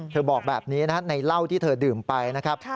บอกแบบนี้นะครับในเหล้าที่เธอดื่มไปนะครับ